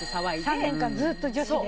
３年間ずっと女子で。